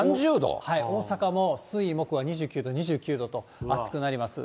大阪も水、木は２９度、２９度と暑くなります。